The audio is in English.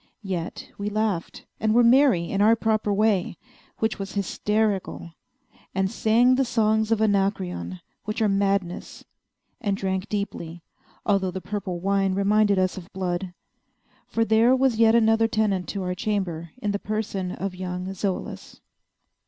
Yet we laughed and were merry in our proper way—which was hysterical; and sang the songs of Anacreon—which are madness; and drank deeply—although the purple wine reminded us of blood. For there was yet another tenant of our chamber in the person of young Zoilus.